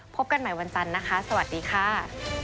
กันใหม่วันจันทร์นะคะสวัสดีค่ะ